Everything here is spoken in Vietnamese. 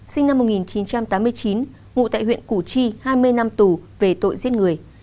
sinh năm một nghìn chín trăm tám mươi chín ngụ tại huyện củ chi hai mươi năm tù về tội giết người